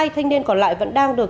hai thanh niên còn lại vẫn đang được